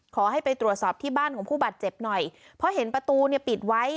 ขอให้ไปตรวจสอบที่บ้านของผู้บาดเจ็บหน่อยเพราะเห็นประตูเนี่ยปิดไว้